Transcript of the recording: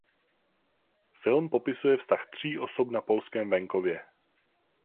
Film popisuje vztah tří osob na polském venkově.